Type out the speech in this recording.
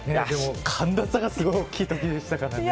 寒暖差がすごい大きいときでしたからね。